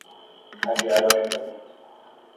Adiar o agendamento